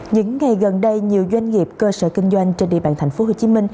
những ngày gần đây nhiều doanh nghiệp cơ sở kinh doanh trên địa bàn tp hcm